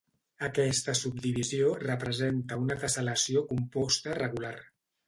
Aquesta subdivisió representa una tessel·lació composta regular.